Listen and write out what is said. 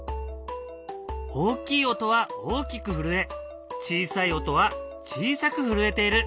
大きい音は大きく震え小さい音は小さく震えている。